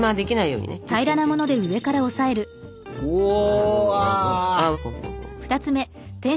うわ。